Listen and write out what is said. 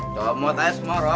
coba mau tanya semua